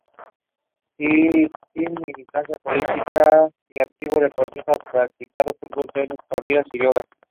Sin militancia política y activo deportista practicando fútbol, tenis, corridas y yoga.